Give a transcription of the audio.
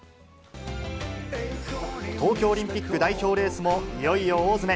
東京オリンピック代表レースも、いよいよ大詰め。